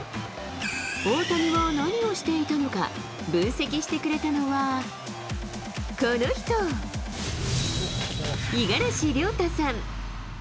大谷は何をしていたのか、分析してくれたのはこの人、五十嵐亮太さん。